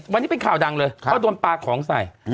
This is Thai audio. วันนี้เป็นข่าวดังเลยเขาโดนปลาของใส่